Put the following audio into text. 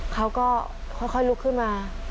เขาก็ค่อยลุกขึ้นมา